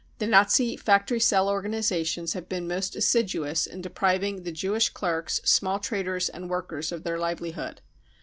The Nazi factory cell organisations have been most assiduous in depriving the Jewish clerks, small traders and workers of their livelihood.